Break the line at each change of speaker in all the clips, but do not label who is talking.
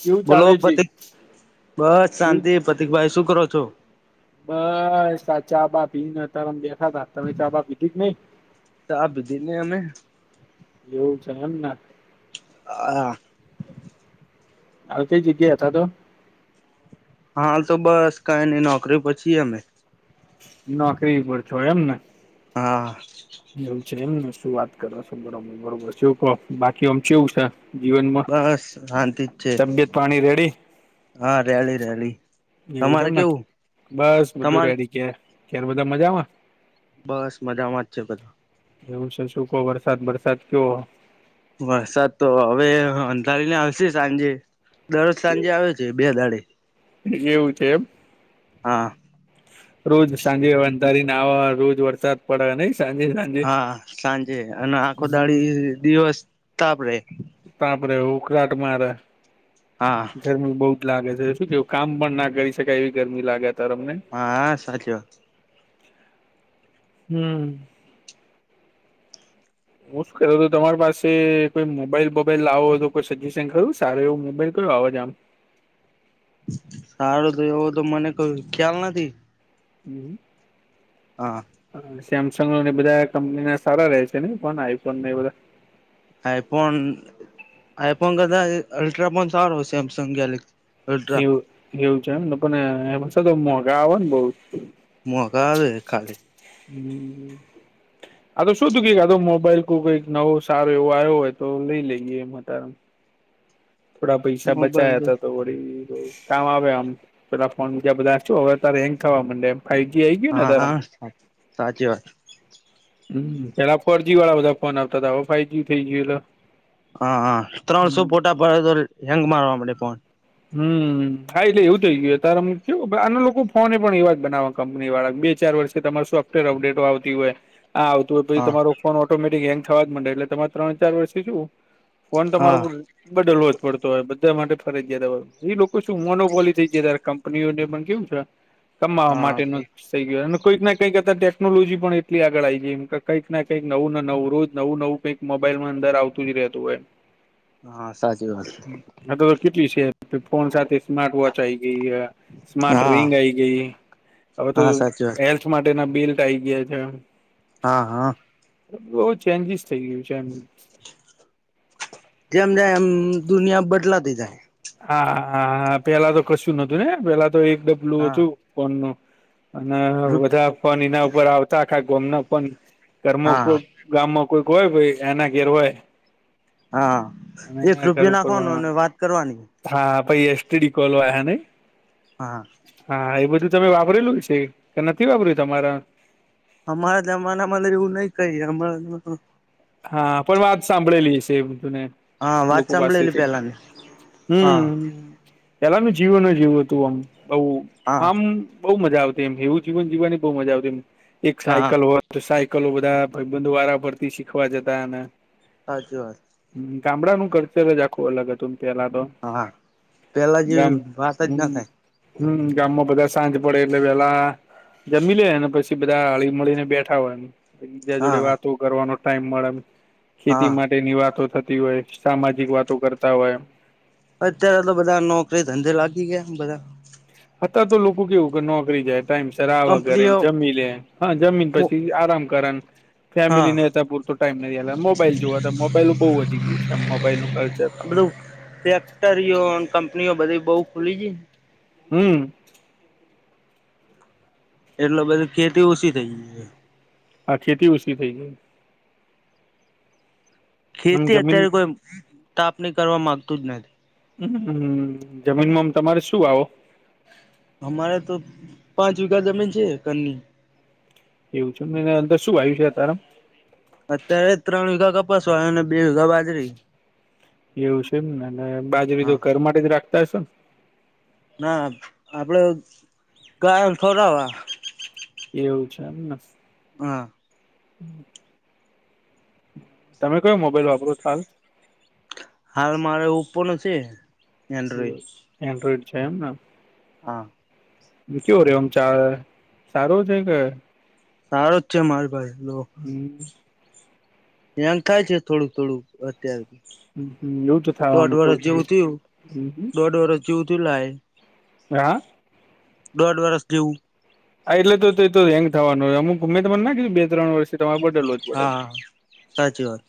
કેવું ચાલે છે
બોલોપતિ બસ
કેવું
શાંતિ પ્રતિક ભાઈ શું કરો છો?
બસ સાચા બાપી તારમ બેઠા તા તમે ત્યા આ બા કીધીક નહ
ચા પીધી ને અમે
એવું છે એમ ના
[unintelligible]
હાલ કઈ જગ્યા હતા તો
હા તો બસ કઈની નોકરી પછી અમે
નોકરી ઉપર છો એમ ને
હા.
એમ છે એમને શું વાત કરો છો બ બરોબર છે કહો બાકી આમ કેવું છે? જીવનમાં
બસ શાંતિ જ છે
તબિયત પાણી રેડી?
હા રિયાલી રેલી.
એવું છે
તમારે
એમ ને
કેવું
બસ બધું
તમારે
રેડી કે ક્યારે બધા મજામાં
બસ મજામાં જ છે બ
એવું છે શું કહો વરસાદ વરસાદ કયો
વરસાદ તો હવે અંધારીને આવશે સાંજે દરરોજ સાંજે આવે છે. બે દાળે.
એયુ છે એમ.
હા
રોજ સાંજે અંધારીને આવવા રોજ વરસાદ પડે નહી સાંજે સાંજે
હા સાંજે અને આખો
હમ
દાળી દિવસ તપડે
તા આપડે હું કરટ મારેે
હા.
ગરમી બહુ જ લાગે છે શું કેવું કામ પણ ના કરી શકાય એવી ગરમી લાગે ત તમને
હા સાચ
હમ્મ. હું શું કર હતો તમારી પાસે કોઈ મોબાઈલ બોબાઈલ લાવો હોય તો કોઈ સજેશન કરું સારું એવું મોબાઈલ કયો આવેજ આમ
સારું તો એવું તો મને ક ખ્યાલ નથી.
હમ્મ.
હા.
હા સેમસંગ બધા કંપની ના સારા રહે છે ને પણ આઈફોન એ બધા
આઈફોન, આઈફોન કદા અલ્ટ્રાફોન સારો સેમસંગ ગેલેક્
સી એવું એવું છે એમ પણ એમાંછ તો મોઘા આવે ને બઉ.
મોગા આવે ખાલી.
[unintelligible] આ તો શું તું કઈક આ મોબાઈલ કોક કઈક નવો સારો એવો આવ્યો હોય તો લઈ લઈએ એમ. થોડા પૈસા બચાયા હતા તો કામ આવે આમ પેલા ફોન બીજા બધા શુ હવે અ હેંગ થવા માંડે એમ. ફાઈવજી આઈ ગયું ને
હા
તારામા?
હા સાચી વાત
હમ્મ પેલા ફોરજી વાળા બધા ફોન આપતા હતા હવે ફાઈવ જ થઇ ગયો એટલે
હા હા ત્રણસો
હમ
પોટા પડે તો હેંગ મારવા મડે ફોન.
હમ્મ હા એટલે એવું થઈ ગયું તારે કેવું આના લોકો ફોને પણ એવા જ બનાવા. કંપની વાળા બે ચાર વર્ષથી તમા સોફ્ટવેર અપડેટો આવતી હોય આ તો પછી
હા
તમારો ફોન ઓટોમેટિક હેંગ થવા જ મડે એટલે તમારે ત્રણ ચાર વર્ષથી જુ ફોન તમારો
હા
બો લોજ પડતો હોય બધા માટે ફરજ જયાતા હોય એ લોકો શું મોનોપોલી થઈ જ કંનીઓને જે પણ કેવું છે કમાવા
હા
માટેનું. થઈ ગયો અને કઈક ના કંઈક ટેકનોલોજી પણ એટલી આગળ આવી ગઈ એમ કંઈકને કંઈક નવુંને નવું રોજ નવું નવું કઈક મોબાઈલ માં અંદર આવતું જ રહેતું હોય.
હા સાચી વાત.
હા તો કેટલી છેે? ફોન સાથે સ્માર્ટ વોચ આઈ ગઈ હ, સ્માર્ટ
હા
રિંગ આઈ ગઈ. હવે તો
હા સાચી વાત
એલ્થ માટે ના બિલ્ટ આઈ ગયા છે.
હા હા.
બહુ ચેન્જીિસ થઇ ગયું છે.
જેમ એમ દુનિયા બદલાતી જાય.
હા હા હા પેલા તો કશું નતું ને પેલા તો એક ડબલું હતું
હા
ફોન નુ અને બધા ફન એના ઉપર આવતા ગમના પણ ફોન
હા
ગામ માં કોઈક હોય કોઈ એના ઘેર હોય.
હા
અને
એક
એના ઘર
રૂપિયા
ઉપર
નાખવાનો અને વાત કરવાની.
હા પહિ એસ ટી ડી કોલો આયા નઈ?
હા.
હા એ બધું તમે વાપરેલું છે કે નથી વાપર્યું તમારા
અમારા જમાનામાં તો એવું નઈ કઈ અમારા જમા
હા પણ વાત સાંભળેલી હયશે બઘુને.
હા વાત
લોકો
સાંભળેલી
પાસેથી,
પેલાની હા
હમ્મ. પેલાનું જીવન જ જેવું હતું
હા
આમ બામ બહુ મજા આવતી એમ એવું જીવન જીવાની બહુ મજા આવતી એમ
હા.
સાયકલ હોય સાયકલો બધા ભાઈબંધ વારાફરતી શીખવા જતા ને
હાચી વાત.
ગામડાનું કલ્ચર જ આખું અલગ હતું પેલા તો.
હા પેલા જેવી વાત જ ના થાય.
હમ્મ, ગામમાં બધા સાંજ પડે એટલે પેલા જમી લેને પછી બધા હળી મળીને બેઠા હોય. બીજા જોડે
હા
વાતો કરવાનો ટાઈમ મળેન એ
હા.
ખેતી માટે ની વાતો થતી હોય, સામાજિક વાતો કરતા હોય.
અત્યારે તો બધા નોકરી ધંધે લાગી ગયા બધા.
અતાર તો લોકો કેવું કે નોકરી જાય ટાઈમ સર આવવા ઘરે
કંપનીઓ
જમી લે હા જમીન પછી આરામ કરે ફેમિલી
હા
નેં પૂરતો ટાઈમ નહિ મોબાઈલ જોવા તો મોબાઈલ બહુ વધી ગયું છે આમ મોબાઈલ નું કલ્ચર.
બધું [unintelligible] કંપનીઓ બધી [unintelligible] ખુલી છે.
હમ.
એટલે બધી ખેતી ઓછી થઇ જાય છે.
હા ખેતી ઓછી થઈ ગઈ. આમ
ખેતી
જમીન
અત્યારે કોઈ તાપની કરવા માંગતું જ નથી.
હ જમીનમાં તમારે શું આવો.
અમારે તો પાંચ વીઘા જમીન છે, [unintelligible]
એવું છે, ને અંદર શું [unintelligible] છે, [unintelligible]
અત્યારે ત્રણ વીઘા કપાસવા અને બે [unintelligible]
એવું છે, એમ ને એટ બાજુરી તો
હા
ઘર માટે જ રાખતા [unintelligible] ને.
ના આપડે ગાયન [unintelligible]
એ એવું છે [unintelligible]
હા.
હમ. તમે કયો મોબાઈલ વાપરો છો હાલ.
હાલ મારે [unintelligible] છે. એન્ડ્રોઈડ
એન્ડ્રોઈડ છે, એમને.
હા.
કયો [unintelligible] સારો છે, કે.
સારો જ છે, માર ભાઈ લો.
હમ
[unintelligible] થાય છે, થોડુંક થોડુંક અત્યાર
એવું તો
દોઢ
થવાનું
વરષ
થોડું
જેવું થયું
થોડું
દોઢ વરષ જેવું તયું [unintelligible]
[inaudible]
દોઢ વરસ જવું.
હા એટલે તો તો હેંગ થવાનુંમું ગમે મને નાખીું બે ત્રણ વર્ષથી તમારે બદલું હતું.
હા હા હા સાચી વાત.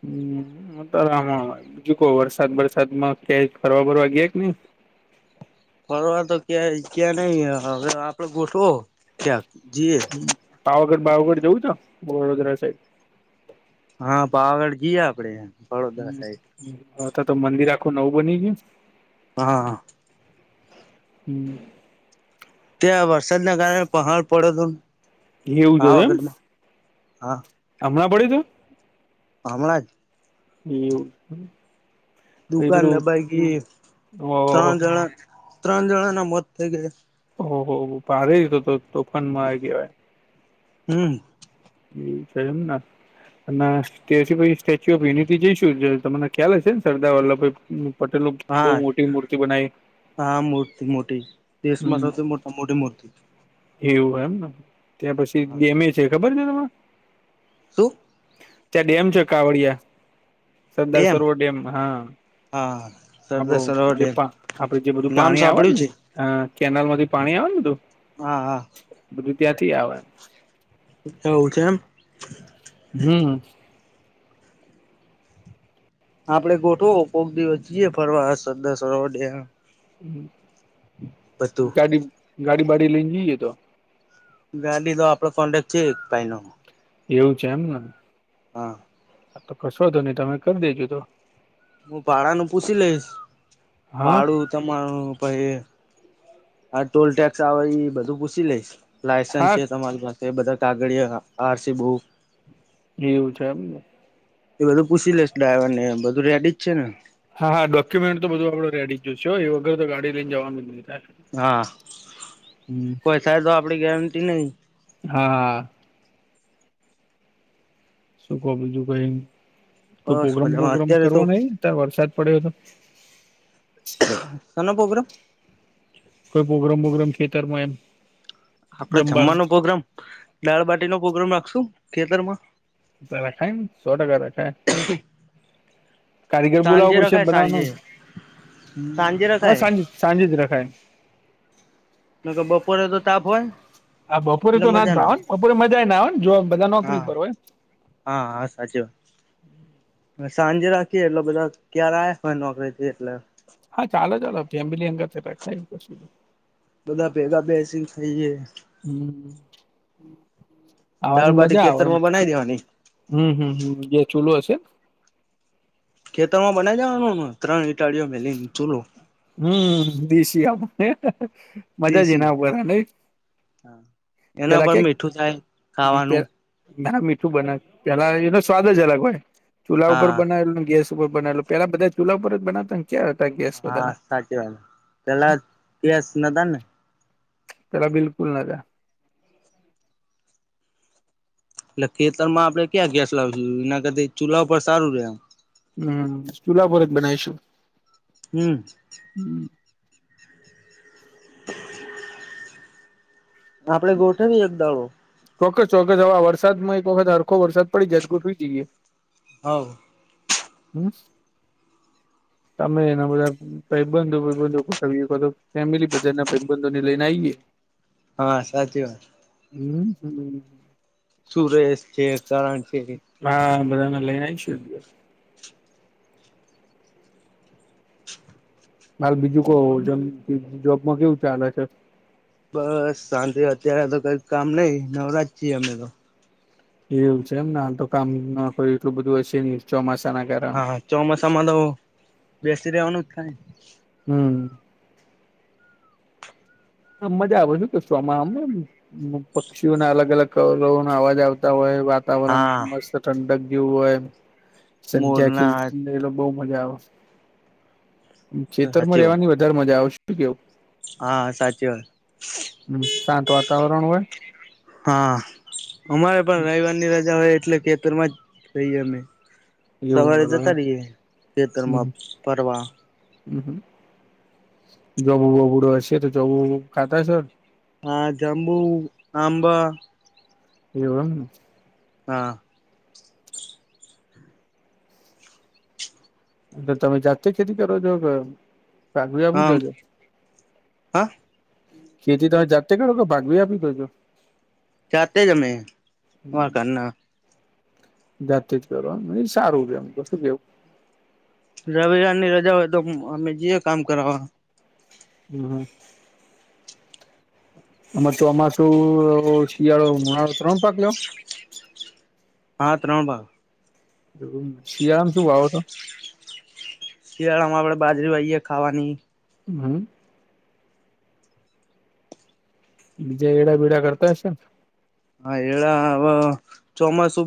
હું [unintelligible] બીજું કહ વરસાદ વરસાદ માં ક્યાંય ફરવા ફરવા ગયા નહી.
ફરવા તો ક્યાં ક્યાં નહી હવે આપડે ગોઠવો ક્યાંક [unintelligible]
પાવાગઢ બાવાગઢ જવું [unintelligible] વડોદરા સાઈડ.
હા પાવાગઢ જઈએ આપડે. વડોદરા સાઈડ
[unintelligible] તો મંદિર આખું નવું બની ગયું.
હા.
[unintelligible]
ત્યાં વરસાદના કારણે પહાડ
એવું જ
પડ્યો
એમ
હત [unintelligible]
હમણાં [unintelligible]
હમણા જ.
[inaudible] પહી
દુકાન
પેલું
દબાઈ ગઈ
ઓહો
ત્રણ જણા ત્રણ જણા ના મોત થઈ ગયા.
ઓહહ ભારે જ તો તો તોફાનમાં [unintelligible] કહેવાય.
હમ.
[unintelligible] છે, એમ ના. અને [unintelligible] પછી સ્ટેચ્યુ ઓફ યુનિટી જઈશું તમને ખ્યાલ હશે ને સરદાર વલ્લભાઈ. પટેલ નું બહુ
હા
મોટી મૂર્તિ બનાવી.
હા મૂર્તિ મોટી દેશમાં
હમ
સૌથી મો મોટી મૂર્તિ.
એવું એમ ત્યાં પછી
હા
ગેમે છે, ખબર છે, તમે.
[unintelligible]
ત્યાં ડેમ છે, કાવડિયા સરદાર સરોવર ડેમ હા.
હા સરદાર
આપડું
સરોવર
જે
ડેમ
પા આપડે જે બધું
નામ
પાણી આવે ને.
સાંભળ્યું છે
હ કેનાલ માંથી પાણી આવેનું તું.
હા હા
બધું ત્યાંથી આવે એમ
એવું છે એમ
હમ્મ
આપડે ગોઠવો કોક દિવસ જઈએ ફરવા [unintelligible] બધું
ગાડી ગાડી વાડી લઈને જઈએે તો
ગાડી તો આપડો [unintelligible] છે એક પાય ન
એવું છે એમને
હા
તો કશો હતો નહી તમે કરી દેજો તો
હું ભાડાનું પૂછ લઈશ
હા.
ભાડું તમારું પછ હા ટોલ ટેક્સ આવે એ બધું પૂછી લઈશ લાયસન્સ
હા
છે તમારી પાસે એ બધા કાગળ આરસી બુક
એ એવું છે એમ ને
એ બધું પૂછી લેશ ડાવર ને બધું રેડી જ છે ને
હા હા ડોક્યુમેન્ટ તો બધું આપડે રેડી જ જોશશે એ વગર તો ગાડી લઈને જવાનું ન થાય
હા
હમ
કોઈ સાહે તો આપડી ગેરંટી નહી
હા હા શું ક બીજું કઈ કોઈ
બસ
પ્રગ્રામ
મજામાં
પોગ્રામ
અત્યારે તો
કરવો નહી અત્યારે વરસાદ પડ્યો તો
સનો પ્રોગ્રમ
કોઈ પ્રોગ્રામ વોગ્રામ ખેતરમાં એમ
આપડે
જમવાનું
જમવાનો પોગ્રામ દાળબાટી નો પ્રગ્રામ રાખશું ખેતરમાં
રખાય ને સો ટકા રખાય કારીગર બોલાવો
સાંજે
પડશે
રખાય સાંજે
બનાવવાનું
સાંજે
હ હવે
રખાય
સાંજ સાંજ જ રખાય
તો કે બપોરે તો તાપ હોય ને
હા બપોરે તો ના જ ભાવન બપોરે મજા ના આવે જો બધા નોકરી
હા
પર હોય
હા હા સાચું સાંજે રાખીએ એટલે બધા ક્યારે આ હોય નોકરીથી એટલે
હા ચાલો ચાલો ફેમિલી અંગત [unintelligible]
બધા ભેગા બેસી ખઈ
હમ્મ ખાવાની
દાળબાટી
મજા આવે એમ
ખેતરમાં બનાવી દેવાની
હમ્મ હમ્મ હમ્મ જે ચૂલો છે
ખેતર માં બનાઈ જવાનુંને ત્રણ ઇટાળીઓ મે લઈને ચૂલો
હમ્મ દેશિ આપ હે મજા જ
દેશી
એના ઉપરા
હા. એના
પેલા
પર
કે
મીઠું થાય ખાવાનું
ના મીઠું બનાવે પેલા એનો સ્વાદ જ અલગ હોય ચૂલા ઉપર
હા
બનાવેલુ ગેસ બનાલ પેલા બધા ચૂલા ઉપર જ બનાવતા ક્યાં હતા ગેસ બધા
હા
ના
સાચી વાત પેલા ગેસ નતા ને
પેલા બિલકુલ ન હતા
એટલે ખેતરમાં આપડણે ક્યાં ગેસ લાવીશું એના કર ચૂલા ઉપર સારું રે એમ
હમ્મ ચૂલા ઉપર જ બનાવીશું
હમ્મ
હમ્મ
આપડે ગોઠવી એક દાડો
ચોક્કસ ચોક્કસ હવે વરસાદમાં એક વખત હરખો વરસાદ પડી જદગુઠવી જઈએ
હવ
[inaudible] તમે એના બધા ભાઈબંધો ભબંધો ફેમિલી બધા ના ભાઈબંધો ને લઈને આઈએ
હા સાચી વાત
હમ છેને
સુરેશ છે કરણ છે.
હા બધાને લઈને આવશું. હાલ બીજું ક જેમ જોબમાં કેવું ચાલે છે
બસ શાંતિ અત્યારે તો કઈક કામ નઈ નવરાજ છીએ અમે તો.
એવું છે એમને આ તો કામમાં કો એટલું બધું હશે નહી ચોમાસા ના કારણે
હા ચોમાસામાં તોબેસીરેવાનુ થાય.
હમ. મજા આવે શું કેશો આમાં આમને પક્ષીઓના અલગ અલગ કલરવો ના અવાજ આવતા હોય વાત વાતાવરણ
હા
મસ્ત ઠંડક જેવું હોય સંધ્યા
મોરના
ખિલતિહોયબહુ મજા આવે છેતર માં
સાચી વાત
રેવાની વધારે મજા આવશે શુ‌ કેવુ.
હા સાચી વાત.
હમ શાંત વાતાવરણ હોય.
હા અમારે પણ રવિવાર ની રજા હોય એટલે કે ખેતરમાં રહી અમે
એવું
સવારે
કર
જતા રહીએ ખેતરમાં ફરવા
હમ હ જબું બબડુ હશેતોખાતા‌હશોને
હા જાંબુ આંબા
એવુ એમને
હા.
એલે તમે જાતે ખેતી કરો છો કે ભાગવી આપી
હા
દેછો.
હા.
ખેતી તમે જાતે કરો કે ભાગ માઆપી દોછો.
જાતે જમે હ કરના
જાતી જ કરો સારું છે એમ કશું કેવું.
રવિરાન ની રજા હોય તો અમે જઈએ કામ કરાવવા.
હમ હ. અ તો આમાં શું શિયાળો મુણાળો ત્રણ પાક લ્યો
હા ત્રણ પાક.
શિયાળમાં શું વાાવો તો.
શિયાળામાં આપણે બાજરી આવીએ ખાવાની.
હમ. બીજા એડા બેેડા કરતા હશે ને.
હા એરડાહવે ચોમાસું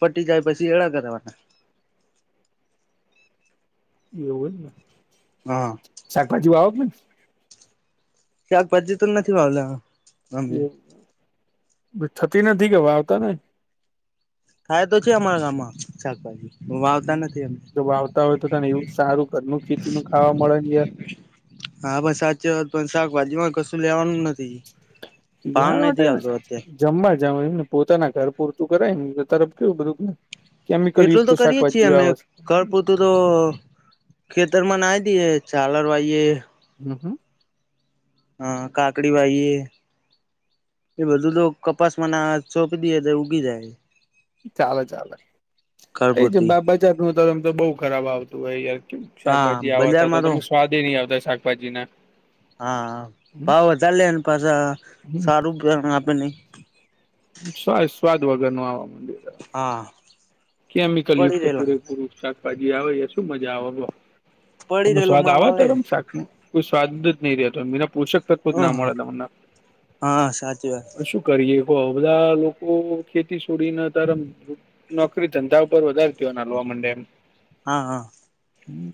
પતિ જાય પછી એરંડા કરવાના.
એવુ હોયને.
હા.
શાકભાજી વાવો છો.
શાકભાજી તો નથી ભલા
એ થતી નથી કેવાવતાનહી.
થાય તો છે અમારા ગામમાં શાકભાજી. વાવતા નથી અમે
જો વાવતા હોય તો એવું સારું ઘરનું ખેતી નું ખાવા મળેને‌યાર
હા બસ સાચી વાત પણ શાકભાજી માં કશું લેવાનું નથી. ભાવ
બેમાટે
નથી આવતો અત્યારે
જમવા જાવ એમને પોતાના ઘર પૂરતું કરાય ને તરફ કેવું બધુંને કેમિકલ
એટલું તો
યુક્ત
કરીએ છીએ
શાકભાજીઓ
અમે
આવે છે.
ઘર પૂરતું તો ખેતરમાં ના દીએ ચાલર વાઈએે
હમ હમ.
હા કાકડી વાાઈએ. એ બધું તો કપાસમાં છોપી દેએ તો ઉગી જાય.
ચાલે ચાલે
ઘર
એજ
પૂરતી
બજાર નું તો બહુખરાબ આવતું હોય યાર.
હા
શાકભાજી આવતા તો
બજારમાં
તમે સ્વાદ નહીં આવતા શાકભાજી ના
હા પાાવ ચલેને પાછ સારુંપિયા આપેને
સ્વા સ્વાદ વગર નો આવા માંડી
હા
કેમિકલ
પડી
યુક્ત
રહેલો
પૂરેપૂરું શાકભાજી આવે શું મજા આવે.
પડી
તમને
રહેલો
સ્વાદ આવ
માલ આલે
અતારામ શાક મા કોઈ સ્વાદ જ નહી રહતો મી પોષક તત્વું
હ
જ ના મળે તમને
હા સાચી વાત
શું કરીએ. બધા લોકો ખેતી છોડીને અતાર નોકરી ધંધા ઉપર વધારે ધ્યોન આલવા મંડ્યા
હા હા
હમ